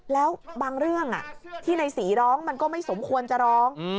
แล้วบางเรื่องที่ในศรีร้องมันก็ไม่สมควรจะร้อง